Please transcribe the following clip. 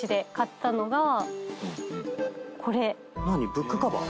ブックカバー？